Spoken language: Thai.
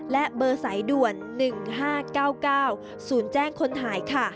และเบอร์สายด่วน๑๕๙๙๐แจ้งคนหายค่ะ